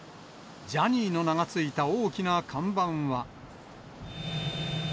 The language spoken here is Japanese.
ジャニーの名が付いた大きな看板は。